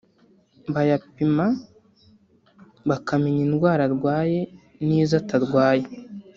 bayapima bakamenya indwara arwaye nizo atarwaye